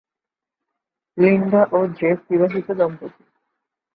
Linda ও Jeff বিবাহিত দম্পতি।